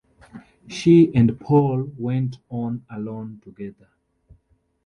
She and Paul went on alone together.